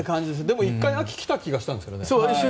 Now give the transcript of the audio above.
でも、１回秋は来た気がしましたけどね。